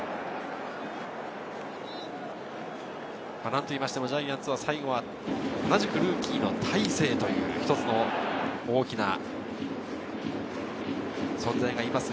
なんといいましてもジャイアンツは最後は、ルーキーの大勢という一つの大きな存在がいます。